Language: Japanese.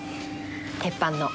鉄板の。